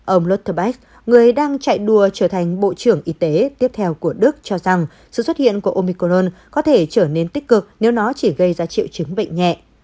ông lottebax người đang chạy đua trở thành bộ trưởng y tế tiếp theo của đức cho rằng sự xuất hiện của omicron có thể trở nên tích cực nếu nó chỉ gây ra triệu chứng bệnh nhẹ